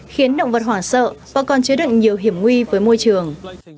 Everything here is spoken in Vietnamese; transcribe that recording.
khiến động vật hoảng sợ và còn chứa được nhiều hiểm nguy với môi trường